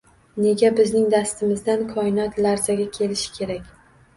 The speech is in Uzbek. –Nega bizning dastimizdan Koinot larzaga kelishi kerak?